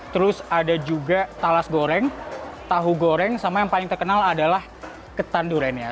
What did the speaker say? terus ada juga talas goreng tahu goreng sama yang paling terkenal adalah ketan duriannya